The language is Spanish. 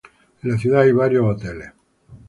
En la ciudad hay varios hoteles.